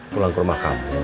pulang ke rumah kamu